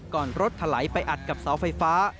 รถถลายไปอัดกับเสาไฟฟ้า